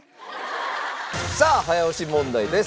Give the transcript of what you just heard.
さあ早押し問題です。